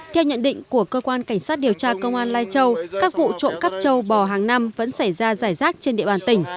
theo nhận định của cơ quan cảnh sát điều tra công an lai châu các vụ trộm cắp châu bò hàng năm vẫn xảy ra giải rác trên địa bàn tỉnh